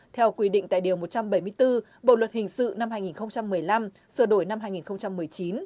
theo quy định tại điều một trăm bảy mươi bốn bộ luật hình sự năm hai nghìn một mươi năm sửa đổi năm hai nghìn một mươi chín